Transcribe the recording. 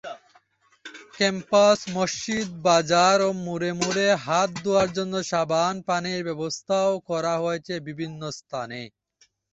Campus, মসজিদ, বাজার ও মোড়ে মোড়ে হাত ধোয়ার জন্য সাবান ও পানির ব্যবস্থাও করা হয়েছে বিভিন্ন স্থানে।